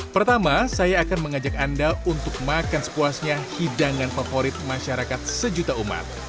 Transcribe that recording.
pertama saya akan mengajak anda untuk makan sepuasnya hidangan favorit masyarakat sejuta umat